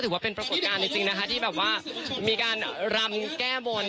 ซึ่งบรรยากาศที่มีการรามแก้บน